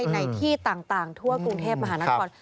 ในที่ต่างทั่วกรุงเทพมหานคร